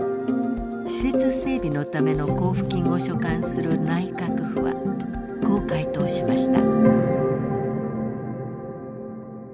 施設整備のための交付金を所管する内閣府はこう回答しました。